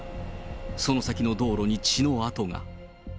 その先の道路に血の跡が。